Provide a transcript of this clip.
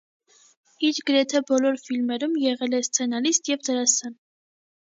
Իր գրեթե բոլոր ֆիլմերում եղել է սցենարիստ և դերասան։